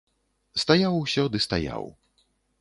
Стаяў усё ды стаяў.